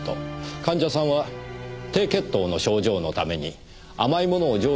患者さんは低血糖の症状のために甘いものを常備するそうですね。